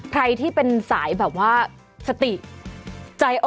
ใครที่เป็นสายแบบว่าสติ